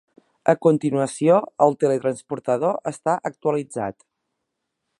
A continuació, el teletransportador està actualitzat.